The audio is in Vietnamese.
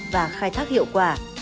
và khai thác hiệu quả